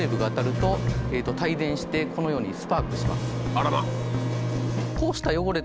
あらまあ！